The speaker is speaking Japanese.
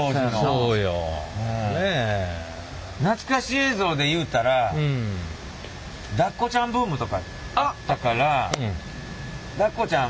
懐かし映像でいうたらダッコちゃんブームとかあったからダッコちゃん